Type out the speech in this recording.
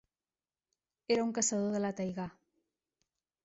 Era un caçador de la taigà.